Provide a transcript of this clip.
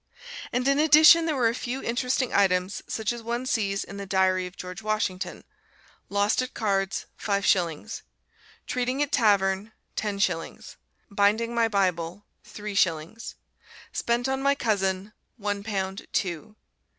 And in addition there are a few interesting items such as one sees in the Diary of George Washington: "Lost at cards, five shillings." "Treating at tavern, ten shillings." "Binding my Bible, three shillings." "Spent on my cousin, one pound, two."